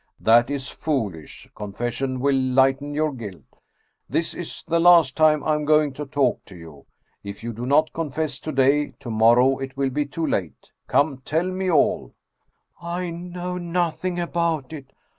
That is foolish. Confession will lighten your guilt. This is the last time I am going to talk to you. If you do not confess to day, to morrow it will be too late. Come, tell me all "" I know nothing about it.